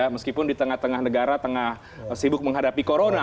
meskipun di tengah tengah negara tengah sibuk menghadapi corona